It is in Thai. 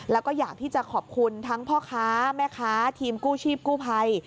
แล้วก็อยากที่จะขอบคุณทั้งพ่อค้าแม่ค้าทีมกู้ชีพกู้ภัย